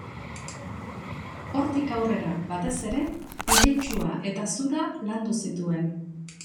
Hortik aurrera, batez ere, igeltsua eta zura landu zituen.